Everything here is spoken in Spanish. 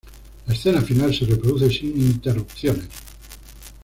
La escena final se reproduce, sin interrupciones.